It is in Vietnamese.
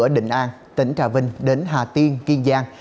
bình an tỉnh trà vinh đến hà tiên kiên giang